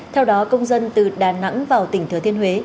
theo đó công dân từ đà nẵng vào tỉnh thừa thiên huế